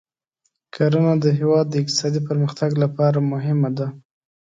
کرنه د هېواد د اقتصادي پرمختګ لپاره مهمه ده.